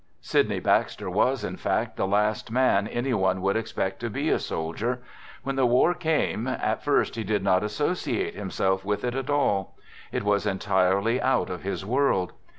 Sydney Baxter was, in fact, the last man any one would expect to be a soldier. When the war came, at first he did not associate himself with it at all. It was entirely out of his world.